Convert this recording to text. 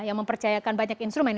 yang mempercayakan banyak instrumen